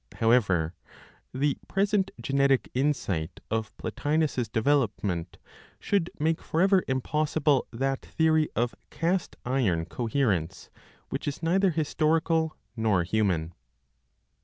However, the present genetic insight of Plotinos's development should make forever impossible that theory of cast iron coherence, which is neither historical nor human.